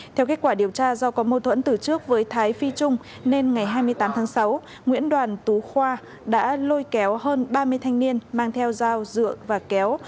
theo kết quả điều tra do có mâu thuẫn từ trước với thái phi trung nên ngày hai mươi tám tháng sáu nguyễn đoàn tú khoa đã lôi kéo hơn ba mươi thanh niên mang theo dao dựa và kéo